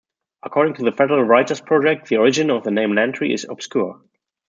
According to the Federal Writers' Project, the origin of the name Lantry is obscure.